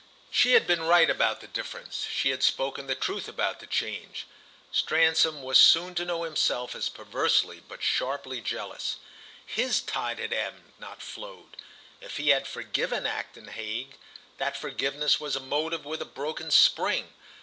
She had been right about the difference—she had spoken the truth about the change: Stransom was soon to know himself as perversely but sharply jealous. His tide had ebbed, not flowed; if he had "forgiven" Acton Hague, that forgiveness was a motive with a broken spring.